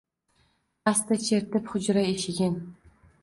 Asta chertib hujra eshigin